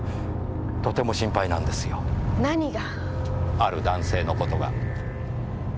ある男性の事が。